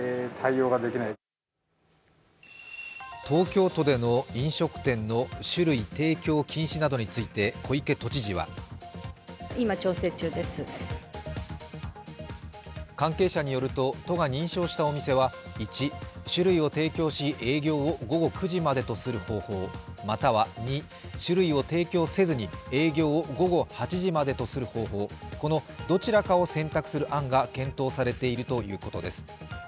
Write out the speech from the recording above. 東京都での飲食店の酒類提供禁止などについて小池都知事は関係者によると、都が認証したお店は１、種類を提供し営業を午後９時までとする方法、または２、酒類を提供せずに営業を午後８時までとする方法このどちらかを選択する案が検討されているということです。